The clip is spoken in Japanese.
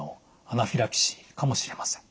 アナフィラキシーかもしれません。